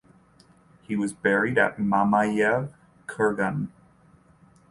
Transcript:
He was buried at Mamayev Kurgan.